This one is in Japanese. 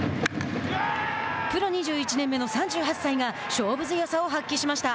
プロ２１年目の３８歳が勝負強さを発揮しました。